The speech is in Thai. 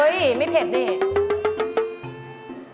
อุ๊ยไม่เผ็ดนี่